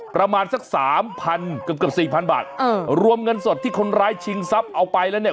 ประมาณสักสามพันเกือบเกือบสี่พันบาทเออรวมเงินสดที่คนร้ายชิงทรัพย์เอาไปแล้วเนี่ย